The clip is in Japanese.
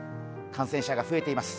感染者が増えています。